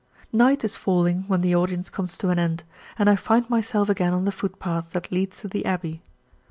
Night is falling when the audience comes to an end and I find myself again on the footpath that leads to the abbey.